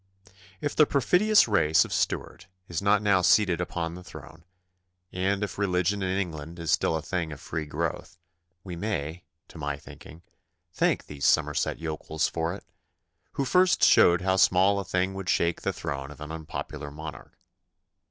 If the perfidious race of Stuart is not now seated upon the throne, and if religion in England is still a thing of free growth, we may, to my thinking, thank these Somerset yokels for it, who first showed how small a thing would shake the throne of an unpopular monarch.